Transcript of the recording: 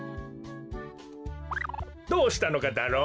どうしたのかダロ？